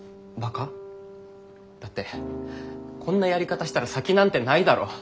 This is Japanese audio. だってこんなやり方したら先なんてないだろう？